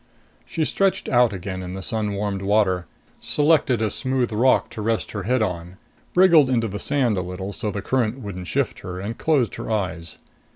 She stretched out again in the sun warmed water, selected a smooth rock to rest her head on, wriggled into the sand a little so the current wouldn't shift her, and closed her eyes.